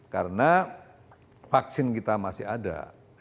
karena vaksin kita masih ada